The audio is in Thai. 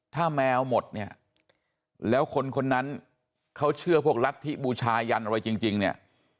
ถ้าแมวหมดเนี่ยแล้วคนคนนั้นเขาเชื่อพวกรัฐธิบูชายันอะไรจริงเนี่ย